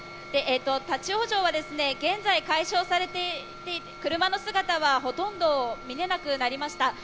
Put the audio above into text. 立ち往生は現在、解消されていて、車の姿はほとんど見られなくなりました。